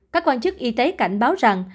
các quan chức y tế cảnh báo rằng